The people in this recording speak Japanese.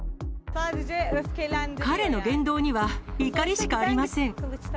彼の言動には怒りしかありません。